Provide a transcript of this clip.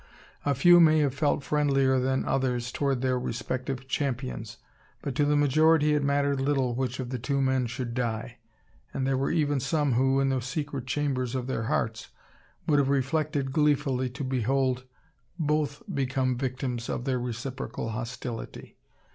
A few may have felt friendlier than others towards their respective champions; but to the majority it mattered little which of the two men should die; and there were even some who, in the secret chambers of their hearts, would have reflected gleefully to behold both become victims of their reciprocal hostility.